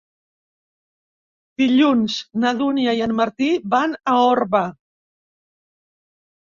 Dilluns na Dúnia i en Martí van a Orba.